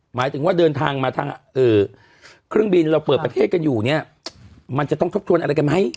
หมายถึงว่าเดินทางมาทางเครื่องบินเราเปิดประเทศกันอยู่เนี่ยมันจะต้องทบทวนอะไรกันไหม